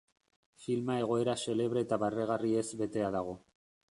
Filma egoera xelebre eta barregarriez betea dago.